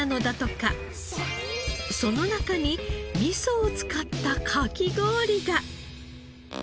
その中に味噌を使ったかき氷が！